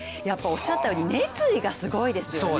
おっしゃったように熱意がすごいですよね。